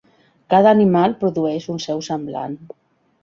Cada animal produeix un seu semblant.